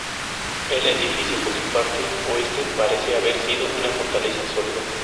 El edificio por parte oeste parece haber sido una fortaleza sólida.